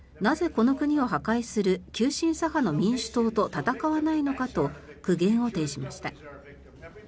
この国を破壊する急進左派の民主党と戦わないのかと苦言を呈しました。